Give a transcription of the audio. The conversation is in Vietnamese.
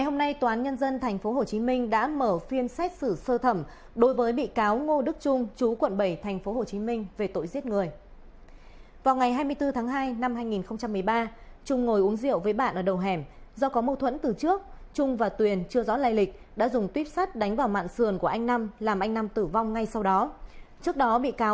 các bạn hãy đăng ký kênh để ủng hộ kênh của chúng mình nhé